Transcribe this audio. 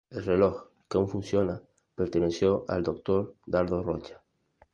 El reloj, que aún funciona, perteneció al Dr. Dardo Rocha.